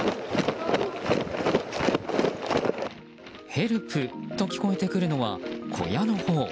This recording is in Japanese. ヘルプと聞こえてくるのは小屋のほう。